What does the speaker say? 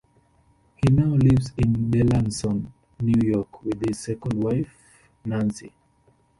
He now lives in Delanson, New York, with his second wife Nancy.